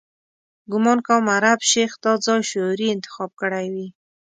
ګومان کوم عرب شیخ دا ځای شعوري انتخاب کړی وي.